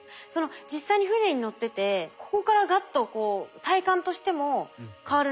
実際に船に乗っててここからガッとこう体感としても変わるなっていうのはあるんですか？